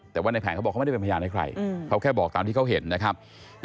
แต่ว่าในแผนเขาบอกเขาไม่ได้เป็นพยานให้ใครเขาแค่บอกตามที่เขาเห็นนะครับ